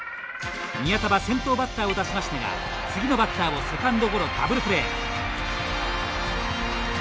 宮田は先頭バッターを出しましたが次のバッターをセカンドゴロダブルプレー。